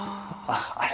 あれ？